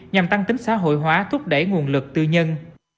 nhằm tăng tính xã hội hóa thúc đẩy nguồn lực tư nhân